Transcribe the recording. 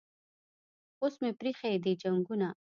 اوس مې پریښي دي جنګونه